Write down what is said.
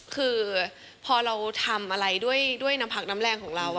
คือพอเราทำอะไรด้วยน้ำผักน้ำแรงของเรา